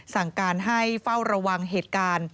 สั่งการให้เฝ้าระวังเหตุการณ์